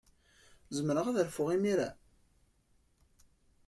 Zemreɣ ad rfuɣ imir-a?